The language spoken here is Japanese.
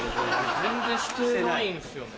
全然してないんすよね。